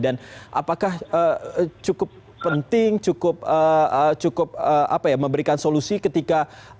dan apakah cukup penting cukup memberikan solusi ketika